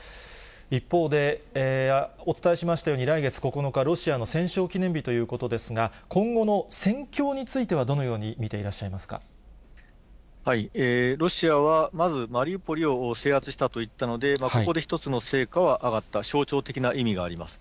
一方で、お伝えしたように、来月９日、ロシアの戦勝記念日ということですが、今後の戦況についてはどのロシアはまず、マリウポリを制圧したと言ったので、ここで一つの成果はあがった、象徴的な意味があります。